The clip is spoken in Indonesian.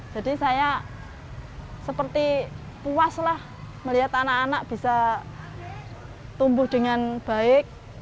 jadi saya seperti puaslah melihat anak anak bisa tumbuh dengan baik